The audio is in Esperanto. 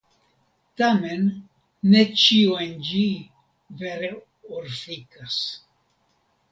Tamen ne ĉio en ĝi vere orfikas.